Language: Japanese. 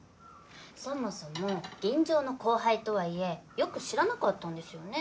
そもそも銀城の後輩とはいえよく知らなかったんですよね？